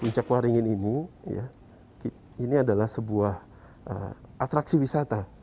puncak waringin ini ini adalah sebuah atraksi wisata